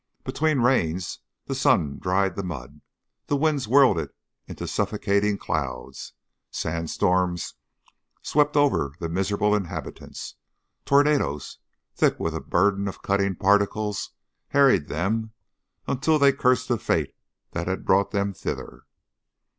Between rains the sun dried the mud, the wind whirled it into suffocating clouds. Sandstorms swept over the miserable inhabitants; tornadoes, thick with a burden of cutting particles, harried them until they cursed the fate that had brought them thither.